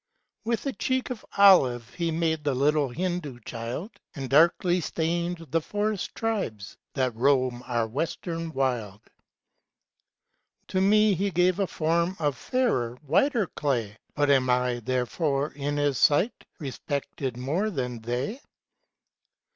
With a cheek of olive He made The little Hindoo child ; And darkly stained the forest tribes, That roam our Western wild. To me He gave a form Of fidrer, whiter clay ; Bnt am I, therefore, in his sight, Respected more than they